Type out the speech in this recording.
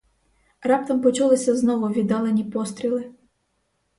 Раптом почулися знову віддалені постріли.